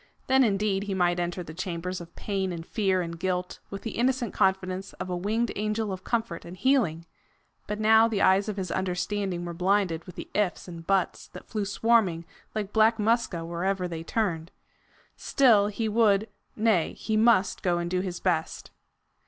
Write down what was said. Then indeed he might enter the chambers of pain and fear and guilt with the innocent confidence of a winged angel of comfort and healing! But now the eyes of his understanding were blinded with the IFS and BUTS that flew swarming like black muscae wherever they turned. Still he would nay, he must go and do his best.